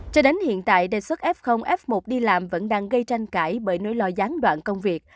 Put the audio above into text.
cho đến hiện tại đề xuất f f một đi làm vẫn đang gây tranh cãi bởi nỗi lo gián đoạn công việc